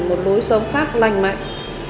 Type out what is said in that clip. một đối sống phát lành mạnh